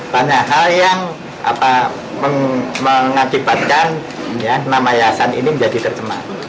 banyak hal yang mengakibatkan nama yayasan ini menjadi tercemar